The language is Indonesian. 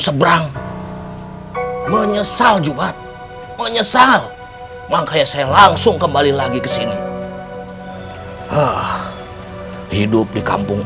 seberang menyesal juga menyesal makanya saya langsung kembali lagi ke sini hidup di kampung